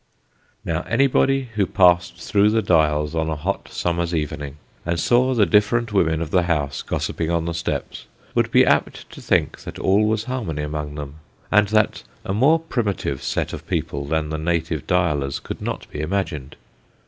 Now anybody who passed through the Dials on a hot summer's evening, and saw the different women of the house gossiping on the steps, would be apt to think that all was harmony among them, and that a more primitive set of people than the native Diallers could not be imagined.